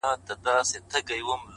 لا به په تا پسي توېږي اوښکي;